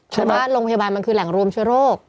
เพราะว่าโรงพยาบาลมันคือแหล่งรวมเชื้อโรค